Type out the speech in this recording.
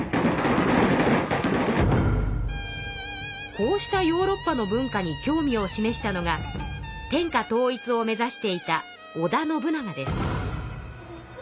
こうしたヨーロッパの文化に興味を示したのが天下統一を目指していた織田信長です。